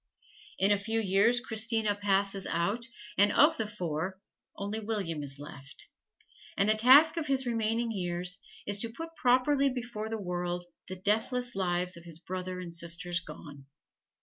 In a few years Christina passes out, and of the four, only William is left; and the task of his remaining years is to put properly before the world the deathless lives of his brother and sisters gone.